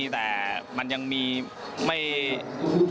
แต่มันยังมีไม่ว่าถึง